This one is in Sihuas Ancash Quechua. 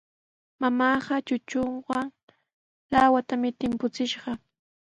Mamaaqa chuchuqa lawatami timpuchiykan.